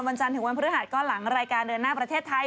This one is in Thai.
จันทร์ถึงวันพฤหัสก็หลังรายการเดินหน้าประเทศไทย